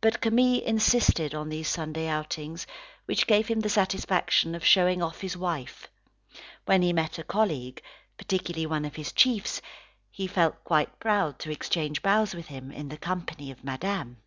But Camille insisted on these Sunday outings, which gave him the satisfaction of showing off his wife. When he met a colleague, particularly one of his chiefs, he felt quite proud to exchange bows with him, in the company of Madame.